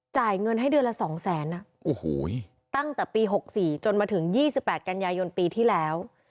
จ่ายเงินให้เดือนละ๒แสนตั้งแต่ปี๖๔จนมาถึง๒๘กันยายนปีที่แล้ว